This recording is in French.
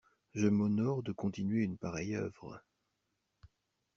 Je m'honore de continuer une pareille œuvre.